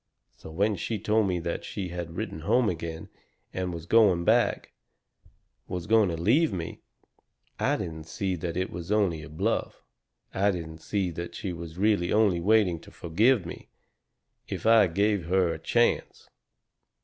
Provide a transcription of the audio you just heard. So when she told me that she had written home again, and was going back was going to leave me, I didn't see that it was only a bluff. I didn't see that she was really only waiting to forgive me, if I gave her a chance.